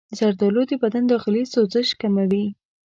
زردآلو د بدن داخلي سوزش کموي.